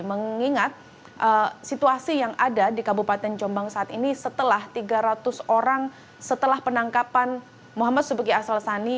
mengingat situasi yang ada di kabupaten jombang saat ini setelah tiga ratus orang setelah penangkapan muhammad sebagai asal sani